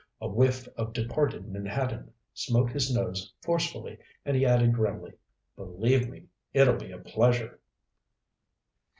A whiff of departed menhaden smote his nose forcefully and he added grimly, "Believe me, it'll be a pleasure!"